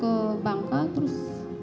ke bangka terus